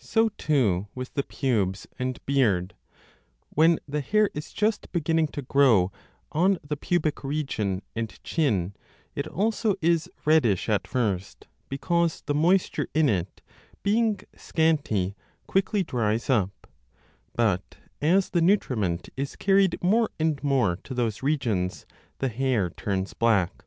So, too, with the pubes 30 and beard ; when the hair is just beginning to grow on the pubic region and chin, it also is reddish at first, because the moisture in it, being scanty, quickly dries up, but as the nutriment is carried more and more to those regions the hair turns black.